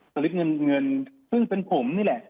สลิดเงินเงินซึ่งเป็นผมนี่แหละ